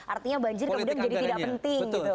artinya banjir kemudian jadi tidak penting gitu